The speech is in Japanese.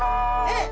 えっ？